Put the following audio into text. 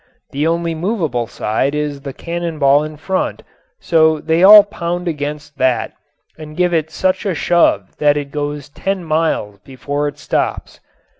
The only movable side is the cannon ball in front, so they all pound against that and give it such a shove that it goes ten miles before it stops.